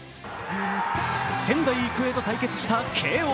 仙台育英と対決した慶応。